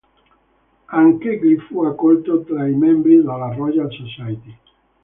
Anch'egli fu accolto tra i membri della Royal Society.